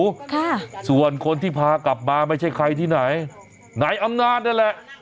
ค่ะส่วนคนที่พากลับมาไม่ใช่ใครที่ไหนไหนอำนาจนั่นแหละ